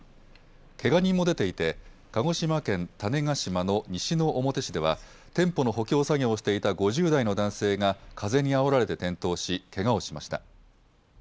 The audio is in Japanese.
けが人も出ていて鹿児島県種子島の西之表市では店舗の補強作業をしていた５０代の男性が風にあおられ転倒し、けがをしました。